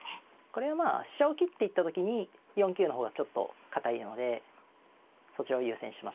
これはまあ飛車を切っていった時に４九の方がちょっと堅いのでそちらを優先しましたね。